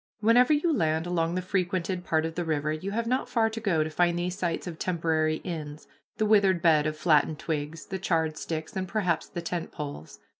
Wherever you land along the frequented part of the river you have not far to go to find these sites of temporary inns, the withered bed of flattened twigs, the charred sticks, and perhaps the tent poles.